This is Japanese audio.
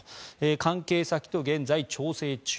関係先と現在、調整中。